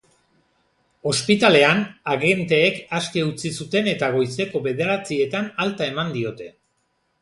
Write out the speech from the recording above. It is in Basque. Ospitalean, agenteek aske utzi zuten eta goizeko bederatzietan alta eman diote.